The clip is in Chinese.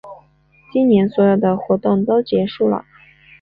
今年所有的活动都结束啦